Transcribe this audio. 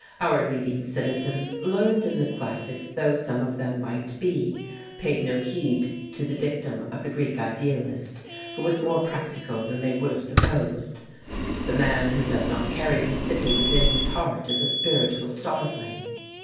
Our leading citizens, learned in the classics though some of them might be, paid no heed to the dictum of the Greek idealist, who was more practical than they would have supposed. "The man who does not carry his city within his heart is a spiritual starveling."